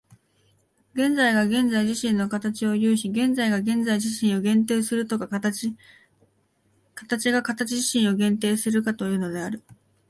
現在が現在自身の形を有し、現在が現在自身を限定するとか、形が形自身を限定するとかいうのである。